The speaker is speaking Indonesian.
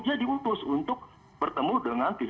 dia diutus untuk berhubungan dengan pak jokowi